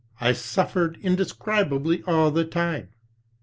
I suffered inde scribably all the time."